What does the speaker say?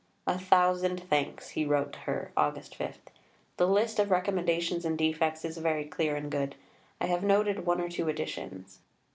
"A thousand thanks," he wrote to her (Aug. 5). "The list of recommendations and defects is very clear and good. I have noted one or two additions."